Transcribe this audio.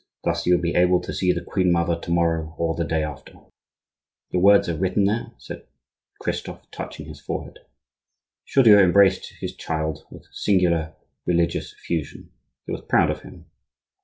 Thus you will be able to see the queen mother to morrow or the day after." "Your words are written there," said Christophe, touching his forehead. Chaudieu embraced his child with singular religious effusion; he was proud of him.